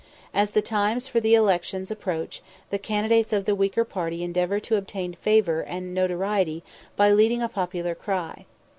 As the times for the elections approach, the candidates of the weaker party endeavour to obtain favour and notoriety by leading a popular cry.